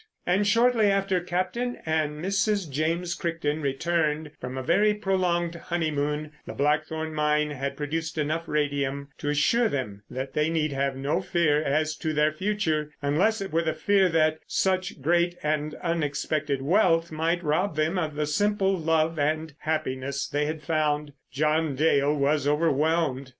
And shortly after Captain and Mrs. James Crichton returned from a very prolonged honeymoon, the Blackthorn Mine had produced enough radium to assure them they need have no fear as to their future—unless it were the fear that such great and unexpected wealth might rob them of the simple love and happiness they had found. John Dale was overwhelmed.